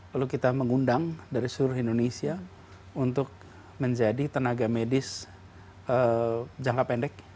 lalu kita mengundang dari seluruh indonesia untuk menjadi tenaga medis jangka pendek